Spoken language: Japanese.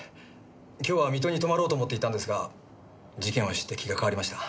今日は水戸に泊まろうと思っていたんですが事件を知って気が変わりました。